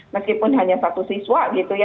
meskipun hanya satu siswa gitu ya